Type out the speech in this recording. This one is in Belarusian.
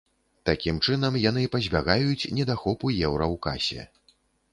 Такім чынам яны пазбягаюць недахопу еўра ў касе.